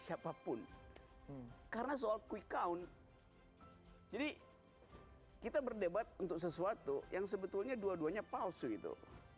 siapapun karena soal quick count jadi kita berdebat untuk sesuatu yang sebetulnya dua duanya palsu itu